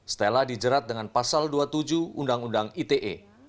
stella dijerat dengan pasal dua puluh tujuh undang undang ite